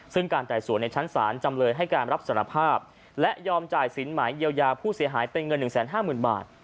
ซึ่งการไต่สวนในชั้นศาลจำเลยให้การรับสารภาพและยอมจ่ายสินหมายเยียวยาผู้เสียหายเป็นเงิน๑๕๐๐๐บาท